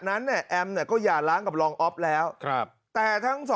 นั้นเนี่ยแอมเนี่ยก็อย่าล้างกับรองอ๊อฟแล้วครับแต่ทั้งสอง